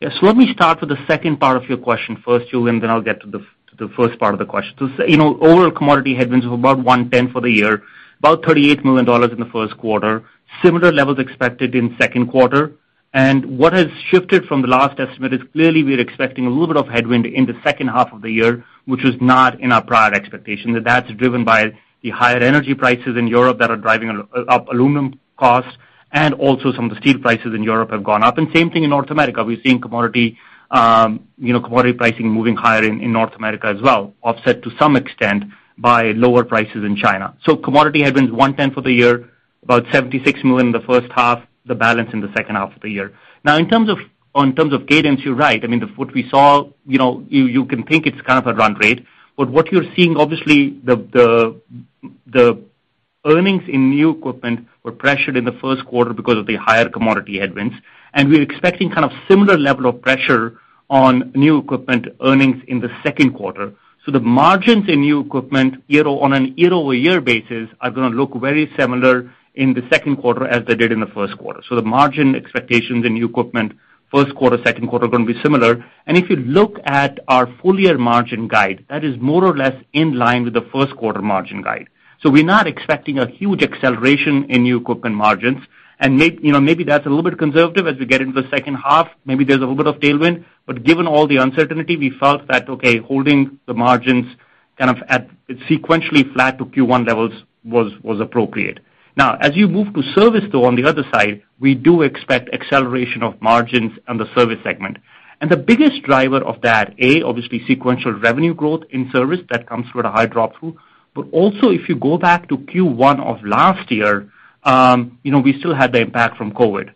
Yes. Let me start with the second part of your question first, Julian, then I'll get to the first part of the question. You know, overall commodity headwinds of about $110 million for the year, about $38 million in the first quarter. Similar levels expected in second quarter. What has shifted from the last estimate is clearly we're expecting a little bit of headwind in the second half of the year, which was not in our prior expectation. That's driven by the higher energy prices in Europe that are driving up aluminum costs, and also some of the steel prices in Europe have gone up. Same thing in North America. We're seeing commodity, you know, pricing moving higher in North America as well, offset to some extent by lower prices in China. Commodity headwinds 110 for the year, about $76 million in the first half, the balance in the second half of the year. Now in terms of cadence, you're right. I mean, what we saw, you know, you can think it's kind of a run rate, but what you're seeing, obviously, the earnings in new equipment were pressured in the first quarter because of the higher commodity headwinds, and we're expecting kind of similar level of pressure on new equipment earnings in the second quarter. The margins in new equipment year-over-year basis are gonna look very similar in the second quarter as they did in the first quarter. The margin expectations in new equipment, first quarter, second quarter, are gonna be similar. If you look at our full-year margin guide, that is more or less in line with the first quarter margin guide. So we're not expecting a huge acceleration in new equipment margins. You know, maybe that's a little bit conservative as we get into the second half. Maybe there's a little bit of tailwind. But given all the uncertainty, we felt that, okay, holding the margins kind of at sequentially flat to Q1 levels was appropriate. Now, as you move to service though, on the other side, we do expect acceleration of margins on the service segment. The biggest driver of that, A, obviously sequential revenue growth in service that comes with a high drop-through. But also if you go back to Q1 of last year, you know, we still had the impact from COVID.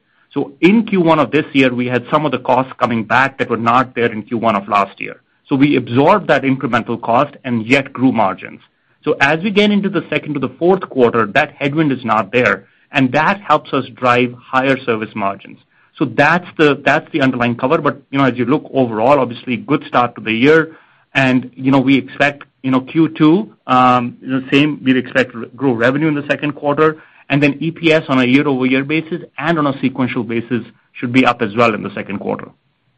In Q1 of this year, we had some of the costs coming back that were not there in Q1 of last year. We absorbed that incremental cost and yet grew margins. As we get into the second to the fourth quarter, that headwind is not there, and that helps us drive higher service margins. That's the underlying cover. You know, as you look overall, obviously good start to the year and, you know, we expect, you know, Q2 the same. We'd expect to grow revenue in the second quarter and then EPS on a year-on-year basis and on a sequential basis should be up as well in the second quarter.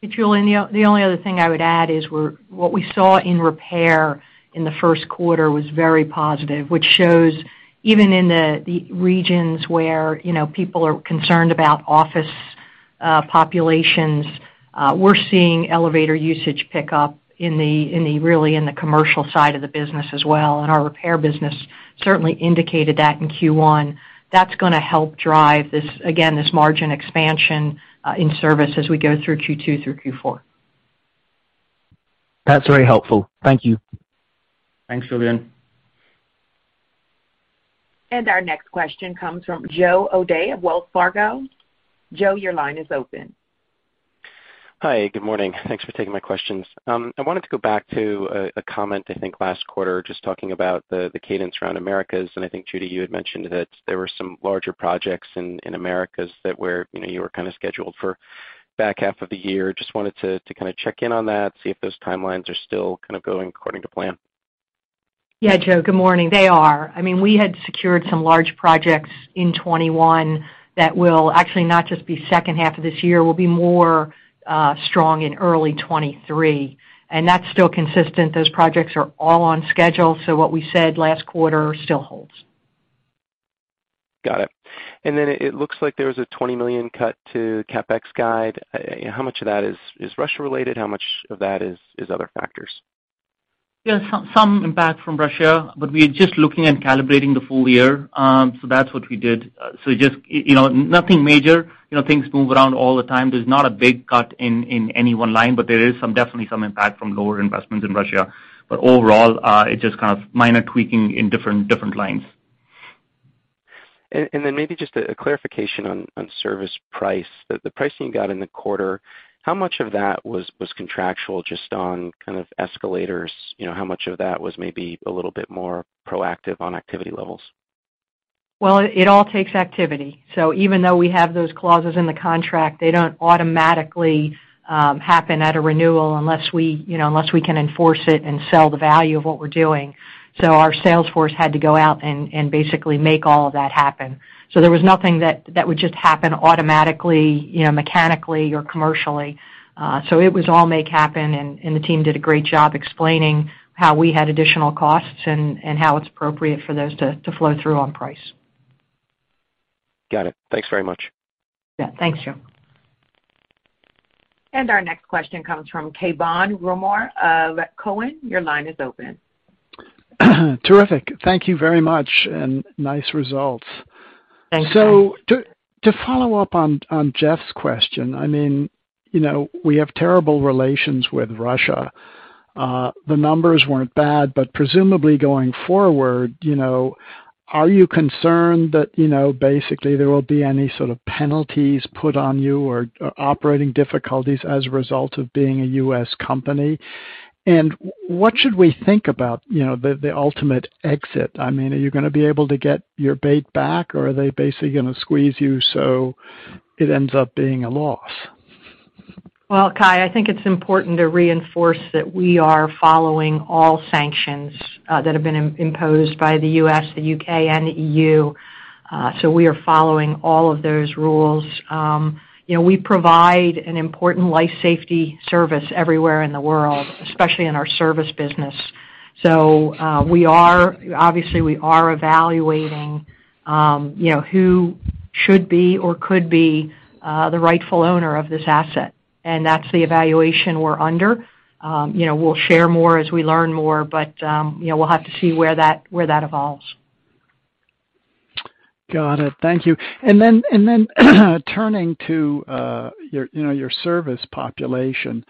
Hey, Julian. The only other thing I would add is what we saw in repair in the first quarter was very positive, which shows even in the regions where, you know, people are concerned about office populations, we're seeing elevator usage pick up really in the commercial side of the business as well. Our repair business certainly indicated that in Q1. That's gonna help drive this, again, this margin expansion in service as we go through Q2 through Q4. That's very helpful. Thank you. Thanks, Julien. Our next question comes from Joe O'Dea of Wells Fargo. Joe, your line is open. Hi. Good morning. Thanks for taking my questions. I wanted to go back to a comment, I think last quarter, just talking about the cadence around Americas, and I think, Judy, you had mentioned that there were some larger projects in Americas that were, you know, you were kind of scheduled for back half of the year. Just wanted to kind of check in on that, see if those timelines are still kind of going according to plan. Yeah. Joe, good morning. They are. I mean, we had secured some large projects in 2021 that will actually not just be second half of this year, will be more strong in early 2023, and that's still consistent. Those projects are all on schedule, so what we said last quarter still holds. Got it. It looks like there was a $20 million cut to CapEx guide. How much of that is Russia related? How much of that is other factors? Yeah. Some impact from Russia, but we're just looking and calibrating the full year. That's what we did. Just, you know, nothing major. You know, things move around all the time. There's not a big cut in any one line, but there is some, definitely some impact from lower investments in Russia. Overall, it's just kind of minor tweaking in different lines. Maybe just a clarification on service price. The pricing you got in the quarter, how much of that was contractual just on kind of escalators? You know, how much of that was maybe a little bit more proactive on activity levels? Well, it all takes activity. Even though we have those clauses in the contract, they don't automatically happen at a renewal unless we, you know, unless we can enforce it and sell the value of what we're doing. Our sales force had to go out and basically make all of that happen. There was nothing that would just happen automatically, you know, mechanically or commercially. It was all make happen, and the team did a great job explaining how we had additional costs and how it's appropriate for those to flow through on price. Got it. Thanks very much. Yeah. Thanks, Joe. Our next question comes from Gautam Khanna of Cowen. Your line is open. Terrific. Thank you very much, and nice results. Thanks, Gautam. To follow up on Jeff's question, I mean, you know, we have terrible relations with Russia. The numbers weren't bad, but presumably going forward, you know, are you concerned that, you know, basically there will be any sort of penalties put on you or operating difficulties as a result of being a U.S. company? What should we think about, you know, the ultimate exit? I mean, are you gonna be able to get your capital back, or are they basically gonna squeeze you so it ends up being a loss? Well, Gautam, I think it's important to reinforce that we are following all sanctions that have been imposed by the U.S., the U.K., and the EU. We are following all of those rules. You know, we provide an important life safety service everywhere in the world, especially in our service business. We are obviously evaluating who should be or could be the rightful owner of this asset, and that's the evaluation we're under. You know, we'll share more as we learn more, but you know, we'll have to see where that evolves. Got it. Thank you. Then turning to your, you know, your service population.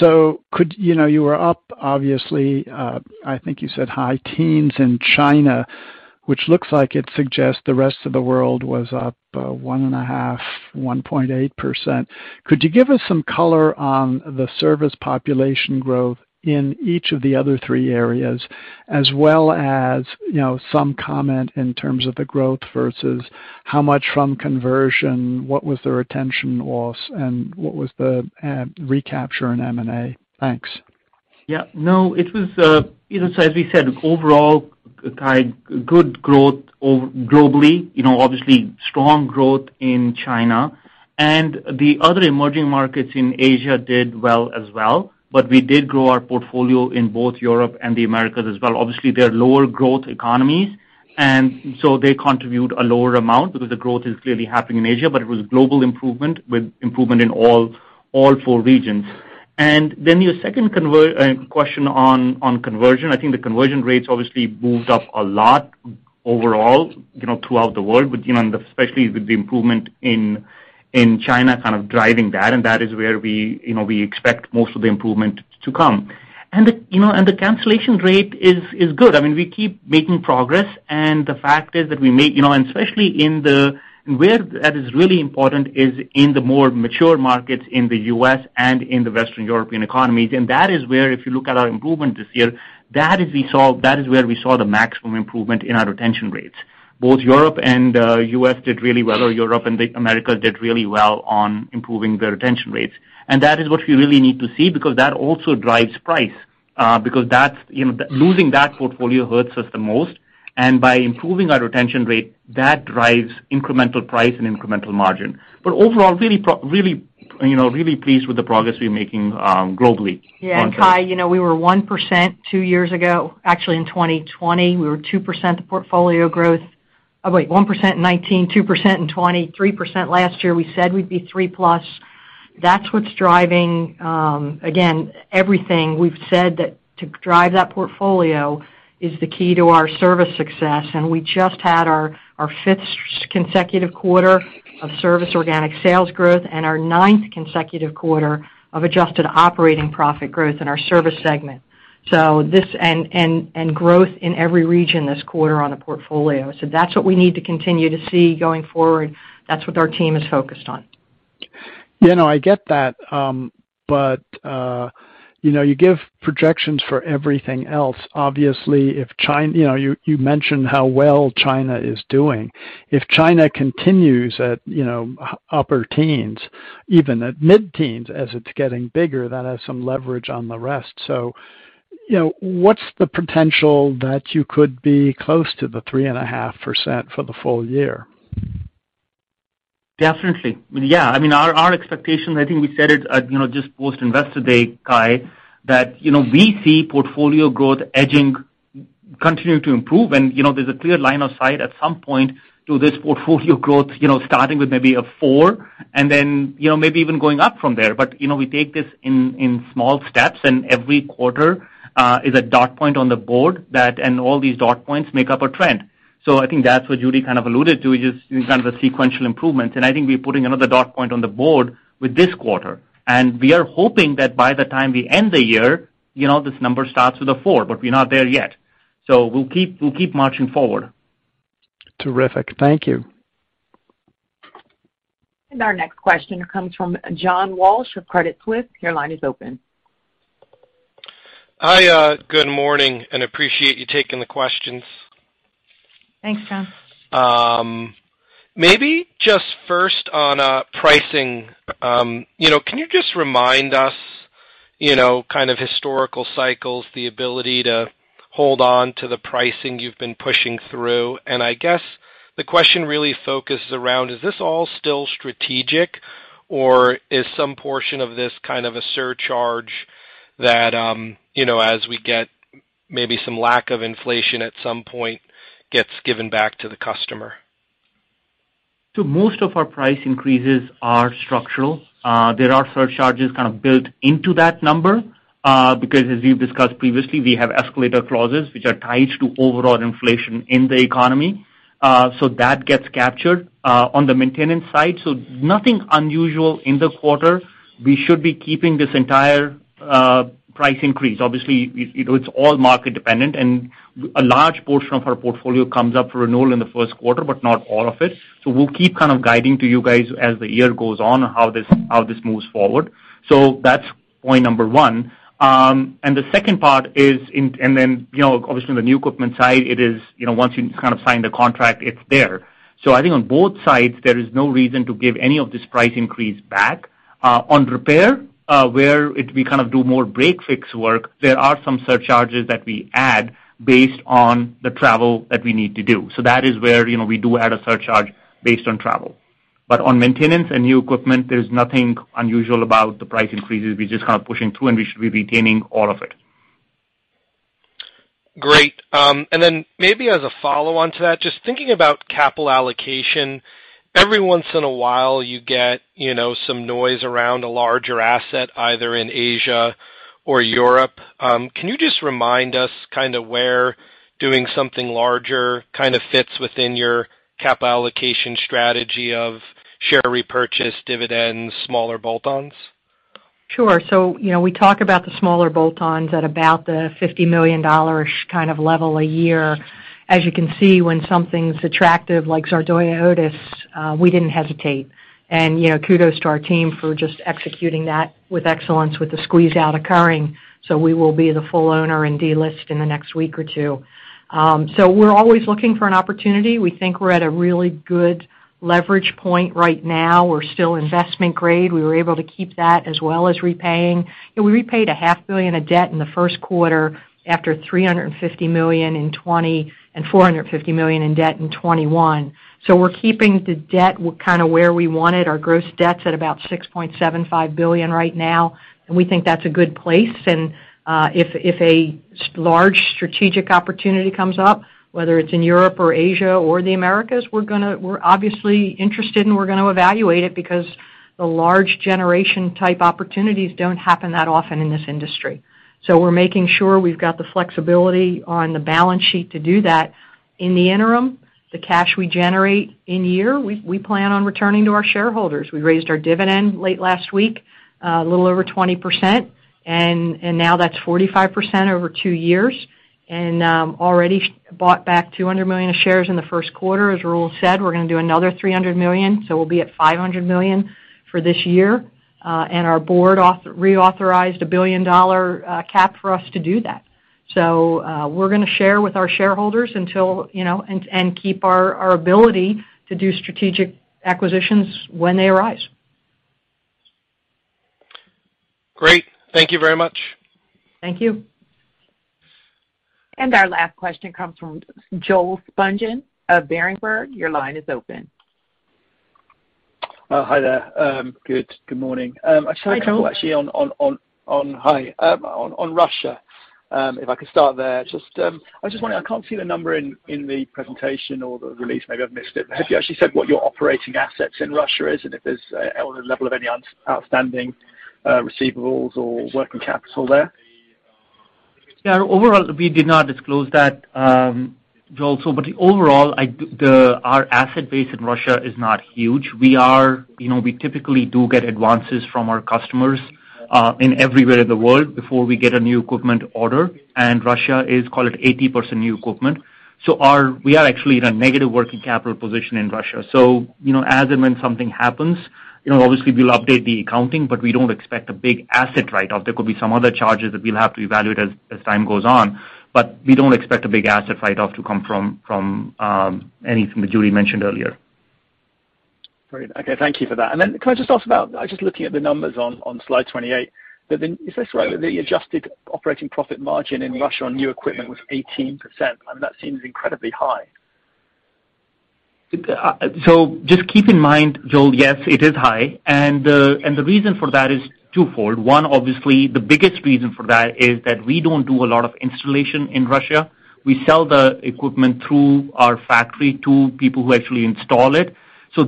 Could you know you were up, obviously, I think you said high teens in China, which looks like it suggests the rest of the world was up 1.5%, 1.8%. Could you give us some color on the service population growth in each of the other three areas, as well as, you know, some comment in terms of the growth versus how much from conversion? What was the retention loss, and what was the recapture in M&A? Thanks. Yeah. No, it was, you know, so as we said, overall, Gautam, good growth globally. You know, obviously strong growth in China and the other emerging markets in Asia did well as well. We did grow our portfolio in both Europe and the Americas as well. Obviously, they're lower growth economies, and so they contribute a lower amount because the growth is clearly happening in Asia. It was global improvement with improvement in all four regions. Then your second question on conversion. I think the conversion rates obviously moved up a lot overall, you know, throughout the world, but, you know, and especially with the improvement in China kind of driving that, and that is where we, you know, we expect most of the improvement to come. The cancellation rate is good. I mean, we keep making progress, and the fact is. You know, especially where that is really important is in the more mature markets in the U.S. and in the Western European economies. That is where, if you look at our improvement this year, we saw the maximum improvement in our retention rates. Both Europe and the Americas did really well on improving their retention rates. That is what we really need to see because that also drives price, because that's, you know, losing that portfolio hurts us the most. By improving our retention rate, that drives incremental price and incremental margin. Overall, really pleased with the progress we're making globally on conversion. Yeah. Gautam Khanna, you know, we were 1% two years ago. Actually in 2020, we were 2% portfolio growth. 1% in 2019, 2% in 2020, 3% last year. We said we'd be 3%+. That's what's driving, again, everything. We've said that to drive that portfolio is the key to our Service success, and we just had our fifth consecutive quarter of Service organic sales growth and our ninth consecutive quarter of adjusted operating profit growth in our Service segment. This and growth in every region this quarter on a portfolio. That's what we need to continue to see going forward. That's what our team is focused on. You know, I get that. You know, you give projections for everything else. Obviously, if China you know, you mentioned how well China is doing. If China continues at, you know, upper teens, even at mid-teens as it's getting bigger, that has some leverage on the rest. You know, what's the potential that you could be close to the 3.5% for the full year? Definitely. Yeah. I mean, our expectation, I think we said it, you know, just post Investor Day, Gautam Khanna, that, you know, we see portfolio growth edging, continuing to improve. You know, there's a clear line of sight at some point to this portfolio growth, you know, starting with maybe a 4%, and then, you know, maybe even going up from there. You know, we take this in small steps, and every quarter is a data point on the board, and all these data points make up a trend. I think that's what Judy Marks kind of alluded to, just kind of the sequential improvements. I think we're putting another data point on the board with this quarter. We are hoping that by the time we end the year, you know, this number starts with a 4%, but we're not there yet. We'll keep marching forward. Terrific. Thank you. Our next question comes from John Walsh of Credit Suisse. Your line is open. Hi, good morning, and I appreciate you taking the questions. Thanks, John. Maybe just first on pricing. You know, can you just remind us, you know, kind of historical cycles, the ability to hold on to the pricing you've been pushing through? I guess the question really focuses around, is this all still strategic, or is some portion of this kind of a surcharge that, you know, as we get maybe some lack of inflation at some point gets given back to the customer? Most of our price increases are structural. There are surcharges kind of built into that number, because as we've discussed previously, we have escalator clauses which are tied to overall inflation in the economy. That gets captured on the maintenance side. Nothing unusual in the quarter. We should be keeping this entire price increase. Obviously, it, you know, it's all market dependent, and a large portion of our portfolio comes up for renewal in the first quarter, but not all of it. We'll keep kind of guiding to you guys as the year goes on how this, how this moves forward. That's point number one. The second part is. Then, you know, obviously on the new equipment side, it is, you know, once you kind of sign the contract, it's there. I think on both sides, there is no reason to give any of this price increase back. On repair, where we kind of do more break-fix work, there are some surcharges that we add based on the travel that we need to do. That is where, you know, we do add a surcharge based on travel. On maintenance and new equipment, there's nothing unusual about the price increases. We're just kind of pushing through, and we should be retaining all of it. Great. Maybe as a follow-on to that, just thinking about capital allocation. Every once in a while you get, you know, some noise around a larger asset, either in Asia or Europe. Can you just remind us kind of where doing something larger kind of fits within your capital allocation strategy of share repurchase, dividends, smaller bolt-ons? Sure. You know, we talk about the smaller bolt-ons at about the $50 million-ish kind of level a year. As you can see, when something's attractive like Zardoya Otis, we didn't hesitate. You know, kudos to our team for just executing that with excellence with the squeeze-out occurring, so we will be the full owner and delist in the next week or two. We're always looking for an opportunity. We think we're at a really good leverage point right now. We're still investment grade. We were able to keep that as well as repaying. You know, we repaid a $0.5 billion of debt in the first quarter after $350 million in 2020 and $450 million in debt in 2021. We're keeping the debt kind of where we want it. Our gross debt's at about $6.75 billion right now, and we think that's a good place. If a large strategic opportunity comes up, whether it's in Europe or Asia or the Americas, we're obviously interested, and we're gonna evaluate it because the large generational opportunities don't happen that often in this industry. We're making sure we've got the flexibility on the balance sheet to do that. In the interim, the cash we generate each year, we plan on returning to our shareholders. We raised our dividend late last week, a little over 20%, and now that's 45% over two years. Already bought back $200 million of shares in the first quarter. As Rahul said, we're gonna do another $300 million, so we'll be at $500 million for this year. Our board reauthorized a billion-dollar cap for us to do that. We're gonna share with our shareholders until and keep our ability to do strategic acquisitions when they arise. Great. Thank you very much. Thank you. Our last question comes from Joel Spungin of Berenberg. Your line is open. Hi there. Good morning. Hi, Joel. Actually on Russia, if I could start there. Just, I just wondering, I can't see the number in the presentation or the release. Maybe I've missed it. Have you actually said what your operating assets in Russia is, and if there's a level of any outstanding receivables or working capital there? Yeah. Overall, we did not disclose that, Joel. Overall, our asset base in Russia is not huge. We are, you know, we typically do get advances from our customers everywhere in the world before we get a new equipment order, and Russia is, call it 80% new equipment. We are actually in a negative working capital position in Russia. You know, as and when something happens, you know, obviously we'll update the accounting, but we don't expect a big asset write-off. There could be some other charges that we'll have to evaluate as time goes on, but we don't expect a big asset write-off to come from anything that Judy mentioned earlier. Great. Okay, thank you for that. Can I just ask about just looking at the numbers on slide 28? Is this right that the adjusted operating profit margin in Russia on new equipment was 18%, and that seems incredibly high? Just keep in mind, Joel, yes, it is high. The reason for that is twofold. One, obviously, the biggest reason for that is that we don't do a lot of installation in Russia. We sell the equipment through our factory to people who actually install it.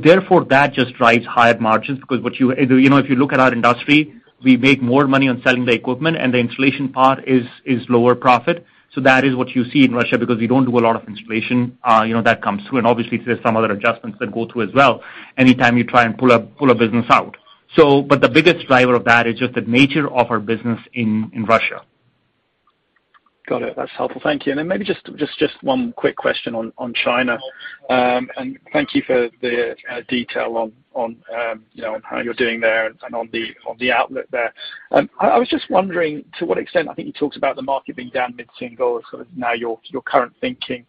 Therefore, that just drives higher margins because what you know, if you look at our industry, we make more money on selling the equipment, and the installation part is lower profit. That is what you see in Russia because we don't do a lot of installation, you know, that comes through. Obviously, there's some other adjustments that go through as well anytime you try and pull a business out. But the biggest driver of that is just the nature of our business in Russia. Got it. That's helpful. Thank you. Maybe just one quick question on China. Thank you for the detail on you know, on how you're doing there and on the outlook there. I was just wondering to what extent. I think you talked about the market being down mid-single, sort of now your current thinking.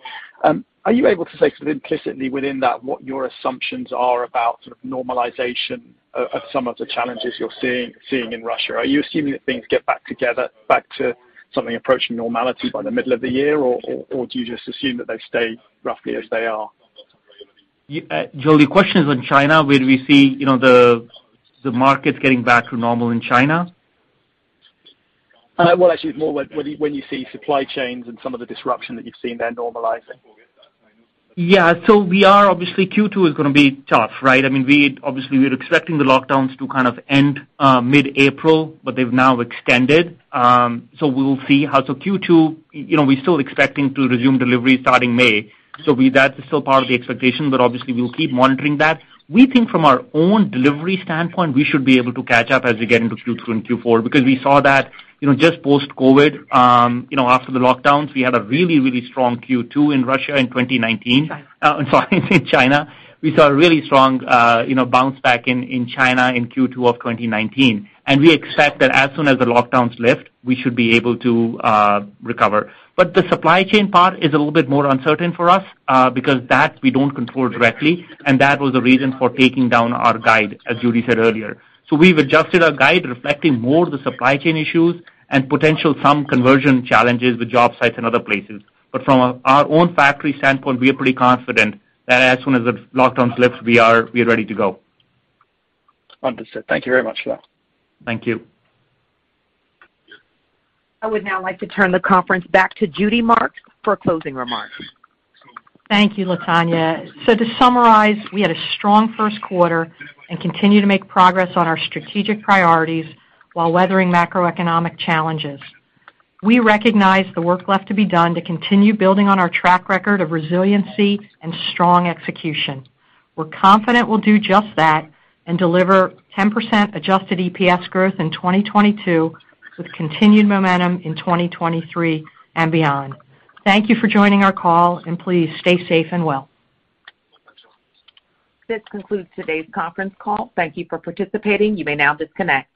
Are you able to say sort of implicitly within that what your assumptions are about sort of normalization of some of the challenges you're seeing in Russia? Are you assuming that things get back together back to something approaching normality by the middle of the year, or do you just assume that they stay roughly as they are? Joel, your question is on China, where we see, you know, the market getting back to normal in China? Well, actually it's more when you see supply chains and some of the disruption that you've seen there normalizing. Yeah. We are obviously Q2 is gonna be tough, right? I mean, we're obviously expecting the lockdowns to kind of end mid-April, but they've now extended. We'll see how Q2, you know, we're still expecting to resume delivery starting May. That is still part of the expectation, but obviously we'll keep monitoring that. We think from our own delivery standpoint, we should be able to catch up as we get into Q3 and Q4 because we saw that, you know, just post-COVID, after the lockdowns, we had a really, really strong Q2 in Russia in 2019. China. I'm sorry, in China. We saw a really strong, you know, bounce back in China in Q2 of 2019. We expect that as soon as the lockdowns lift, we should be able to recover. The supply chain part is a little bit more uncertain for us, because that we don't control directly, and that was the reason for taking down our guide, as Judy said earlier. We've adjusted our guide reflecting more the supply chain issues and potential some conversion challenges with job sites and other places. From our own factory standpoint, we are pretty confident that as soon as the lockdowns lift, we are ready to go. Understood. Thank you very much for that. Thank you. I would now like to turn the conference back to Judy Marks for closing remarks. Thank you, Latonya. To summarize, we had a strong first quarter and continue to make progress on our strategic priorities while weathering macroeconomic challenges. We recognize the work left to be done to continue building on our track record of resiliency and strong execution. We're confident we'll do just that and deliver 10% adjusted EPS growth in 2022 with continued momentum in 2023 and beyond. Thank you for joining our call, and please stay safe and well. This concludes today's conference call. Thank you for participating. You may now disconnect.